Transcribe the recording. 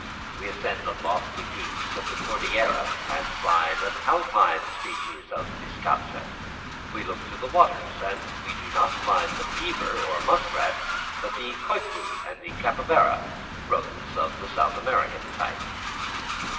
We ascend the lofty peaks of the Cordillera, and we find an alpine species of bizcacha; we look to the waters, and we do not find the beaver or muskrat, but the coypu and capybara, rodents of the South American type.